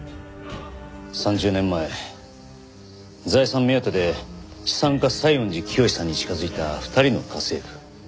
３０年前財産目当てで資産家西園寺清さんに近づいた２人の家政婦。